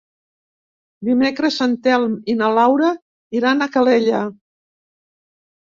Dimecres en Telm i na Laura iran a Calella.